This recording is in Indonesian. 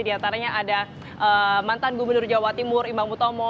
diantaranya ada mantan gubernur jawa timur imbang mutomo